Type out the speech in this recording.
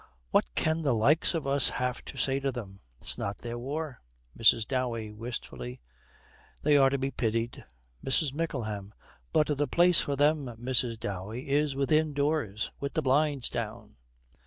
'What can the likes of us have to say to them? It's not their war.' MRS. DOWEY, wistfully, 'They are to be pitied.' MRS. MICKLEHAM. 'But the place for them, Mrs. Dowey, is within doors with the blinds down.'